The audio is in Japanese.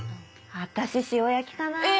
私塩焼きかなぁ。